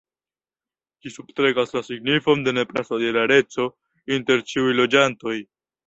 Ĝi substrekas la signifon de nepra solidareco inter ĉiuj loĝantoj.